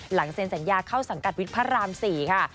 เซ็นสัญญาเข้าสังกัดวิทย์พระราม๔ค่ะ